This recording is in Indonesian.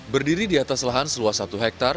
berdiri di atas lahan seluas satu hektare